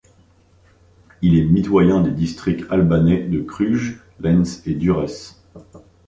Il est mitoyen des districts albanais de Krujë, Lezhë et Durrës.